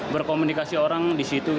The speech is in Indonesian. berkomunikasi orang di situ